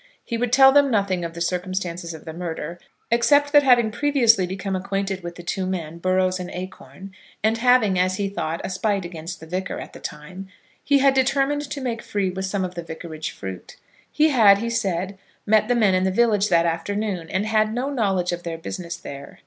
He would tell them nothing of the circumstances of the murder, except that having previously become acquainted with the two men, Burrows and Acorn, and having, as he thought, a spite against the Vicar at the time, he had determined to make free with some of the vicarage fruit. He had, he said, met the men in the village that afternoon, and had no knowledge of their business there.